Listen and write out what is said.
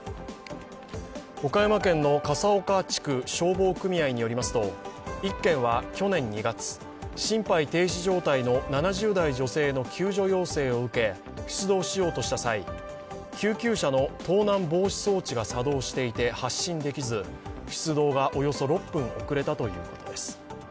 岡山県の笠岡地区消防組合によりますと、１件は去年２月、心肺停止状態の７０代女性の救助要請を受け出動しようとした際、救急車の盗難防止装置が作動していて発進できず出動がおよそ６分遅れたということです。